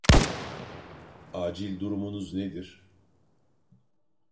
Acil durumunuz nedir?